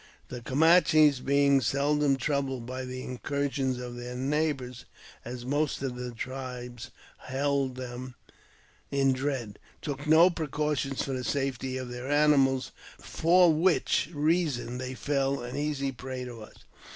The Camanches, being seldom troubled by the incur sions of their neighbours (as most of the tribes hold them in dread), take no precaution for the safety of their animals, for which reason they fell an easy prey to us.